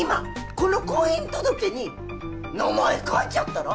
この婚姻届に名前書いちゃったら？